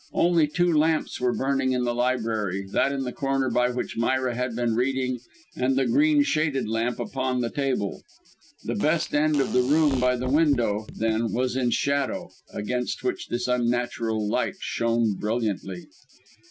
Only two lamps were burning in the library, that in the corner by which Myra had been reading, and the green shaded lamp upon the table. The best end of the room by the window, then, was in shadow, against which this unnatural light shone brilliantly.